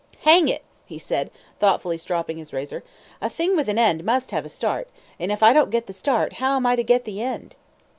"Hang it," he said, thoughtfully stropping his razor, "a thing with an end must have a start, and if I don't get the start how am I to get the end?"